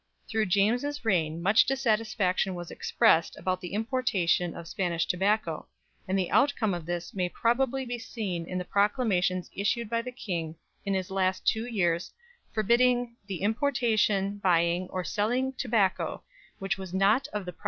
Through James's reign much dissatisfaction was expressed about the importation of Spanish tobacco, and the outcome of this may probably be seen in the proclamations issued by the King in his last two years forbidding "the importation, buying, or selling tobacco which was not of the proper growth of the colonies of Virginia and the Somers Islands."